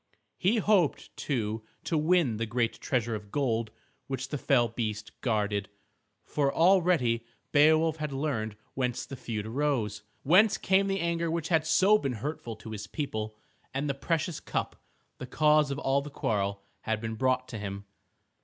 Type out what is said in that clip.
He hoped, too, to win the great treasure of gold which the fell beast guarded. For already Beowulf had learned whence the feud arose, whence came the anger which had been so hurtful to his people. And the precious cup, the cause of all the quarrel, had been brought to him.